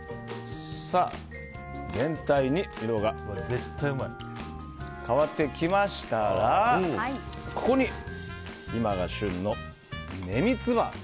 全体に、色が変わってきましたらここに今が旬の根三つ葉。